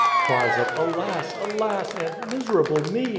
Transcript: Cries of "Alas! alas!" and "Miser able me!"